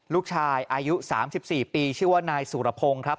ลูกชายอายุ๓๔ปีชื่อว่านายสุรพงศ์ครับ